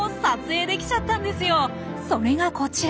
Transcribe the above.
それがこちら。